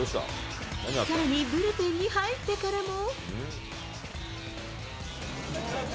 さらにブルペンに入ってからも。